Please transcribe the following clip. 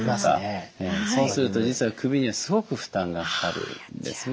そうすると実は首にはすごく負担がかかるんですね。